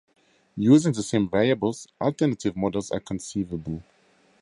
Using the same variables, alternative models are conceivable.